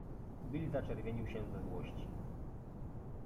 Bill zaczerwienił się ze złości.